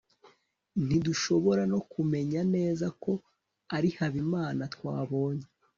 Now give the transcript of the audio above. ntidushobora no kumenya neza ko ari habimana twabonye